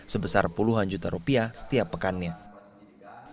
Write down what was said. sebesar puluhan juta rupiah setiap pekannya